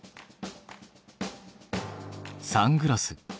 サングラス。